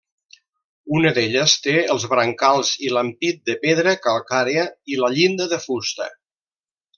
Una d'elles té els brancals i l'ampit de pedra calcària i la llinda de fusta.